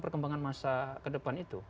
perkembangan masa ke depan itu